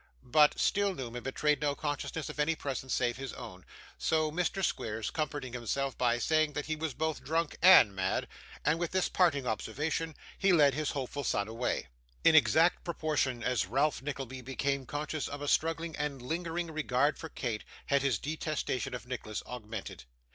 But, still Newman betrayed no consciousness of any presence save his own; so, Mr. Squeers comforted himself by saying that he was both drunk AND mad; and, with this parting observation, he led his hopeful son away. In exact proportion as Ralph Nickleby became conscious of a struggling and lingering regard for Kate, had his detestation of Nicholas augmented.